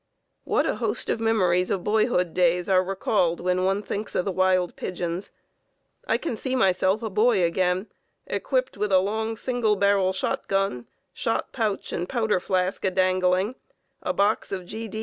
What a host of memories of boyhood days are recalled, when one thinks of the wild pigeons. I can see myself a boy again, equipped with a long, single barrel shot gun, shot pouch and powder flask a dangling, a box of G.